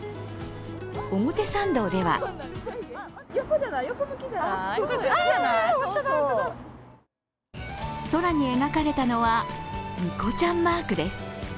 表参道では空に描かれたのはニコちゃんマークです。